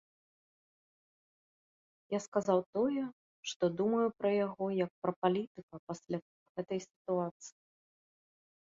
Я сказаў тое, што думаю пра яго, як пра палітыка пасля гэтай сітуацыі.